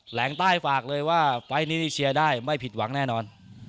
ลงใต้ฝากเลยว่าไฟล์นี้นี่เชียร์ได้ไม่ผิดหวังแน่นอน